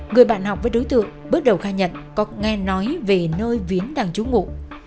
người bạn học với đối tượng bước đầu khai nhận có nghe nói về nơi viến đang trú ngụ